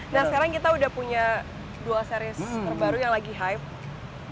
nah sekarang kita udah punya dua series terbaru yang lagi hype